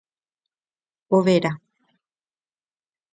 Overa